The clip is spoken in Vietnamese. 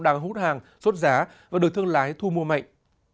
đang hút hàng sốt giá và được thương lái thu mua mạnh